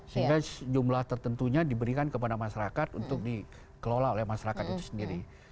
sehingga jumlah tertentunya diberikan kepada masyarakat untuk dikelola oleh masyarakat itu sendiri